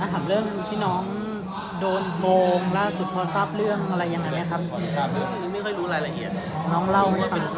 เอาถามเรื่องที่น้องโกงล่าสุดพอทราบเรื่องอะไรอย่างนั้นเนี่ยครับ